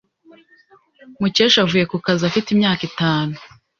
Mukesha avuye ku kazi afite imyaka itanu.